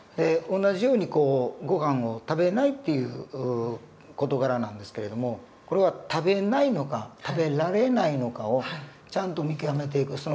同じようにごはんを食べないっていう事柄なんですけれどもこれは食べないのか食べられないのかをちゃんと見極めていく。